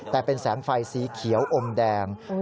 แต่เป็นแสงไฟสีเขียวอมแดง